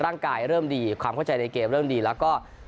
ร่างกายเริ่มดีความเข้าใจในเกมเริ่มดีแล้วก็